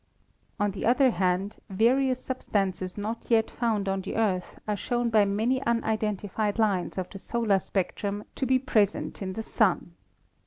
On the other hand, various substances not yet found on the Earth are shown by many unidentified lines of the solar spectrum to be present in the Sun.